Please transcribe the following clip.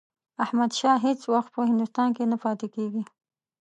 احمدشاه هیڅ وخت په هندوستان کې نه پاتېږي.